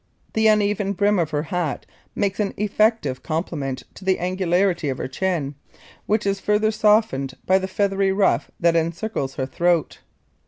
The uneven brim of her hat makes an effective complement to the angularity of her chin, which is further softened by the feathery ruff that encircles her throat.